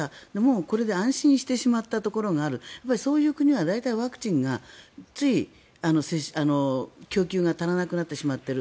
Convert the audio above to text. これで安心してしまったところがあるそういう国は大体ワクチンがつい、供給が足らなくなってしまっている。